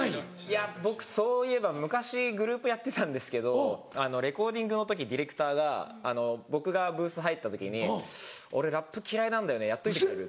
いや僕そういえば昔グループやってたんですけどレコーディングの時ディレクターが僕がブース入った時に「俺ラップ嫌いなんだよねやっといてくれる？」